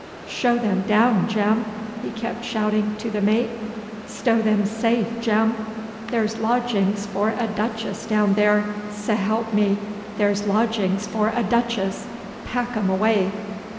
'Show them down, Jem!' he kept shouting to the mate. 'Stow them safe, Jem! There's lodgings for a duchess down there, s'help me, there's lodgings for a duchess! Pack 'em away!